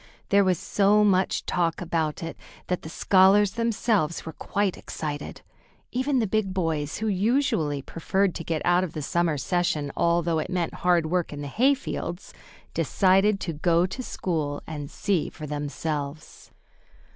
There was so much talk about it that the scholars themselves were quite excited. Even the big boys, who usually preferred to get out of the summer session although it meant hard work in the hayfields, decided to go to school and see for themselves.